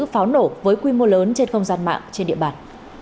pháo nổ với quy mô lớn trên không gian mạng trên địa bàn